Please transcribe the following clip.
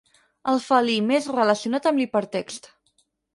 El felí més relacionat amb l'hipertext.